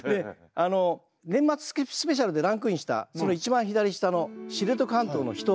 「年末スペシャル」でランクインしたその一番左下の「知床半島の秘湯」。